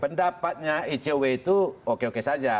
pendapatnya icw itu oke oke saja